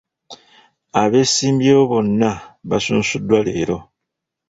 Abeesimbyewo bonna baasunsuddwa leero.